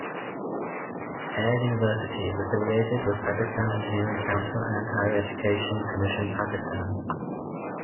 Air University is affiliated with Pakistan Engineering Council and Higher Education Commission Pakistan.